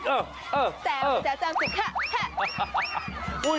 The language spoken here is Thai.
แจวมาแจวจ้ำจุด